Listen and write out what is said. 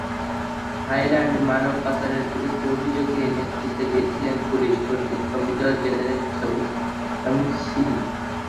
থাইল্যান্ডে মানব পাচারের বিরুদ্ধে অভিযানে নেতৃত্ব দিয়েছিলেন পুলিশ কর্মকর্তা মেজর জেনারেল পাওয়িন পংসিরিন।